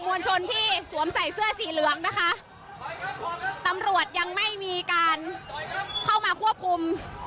มวลชนที่สวมใส่เสื้อสีเหลืองนะคะตำรวจยังไม่มีการเข้ามาควบคุม